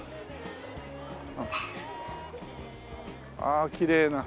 ああきれいな。